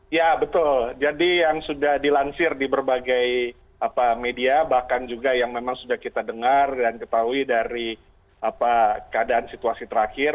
ya betul jadi yang sudah dilansir di berbagai media bahkan juga yang memang sudah kita dengar dan ketahui dari keadaan situasi terakhir